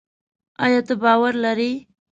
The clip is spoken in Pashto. ایا ته باور لري؟